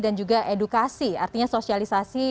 dan juga edukasi artinya sosialisasi